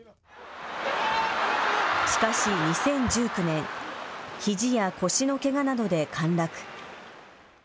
しかし２０１９年、ひじや腰のけがなどで陥落。